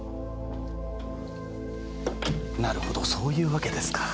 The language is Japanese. なるほどそういうわけですか。